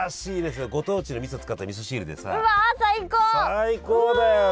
最高だよね！